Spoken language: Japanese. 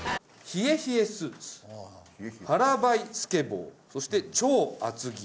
冷え冷えスーツ腹ばいスケボーそして超厚着。